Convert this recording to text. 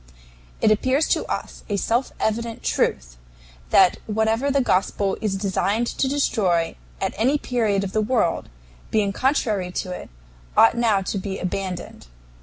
It appears to us a self evident truth that whatever the Gospel is designed to destroy at any period of the world, being contrary to it, ought now to be abandoned.